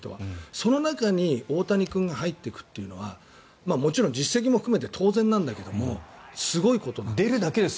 その中に大谷君が入っていくというのはもちろん実績も含めて当然なんだけどすごいことなんです。